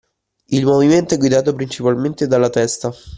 Il movimento è guidato principalmente dalla testa.